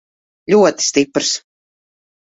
Ļoti stiprs.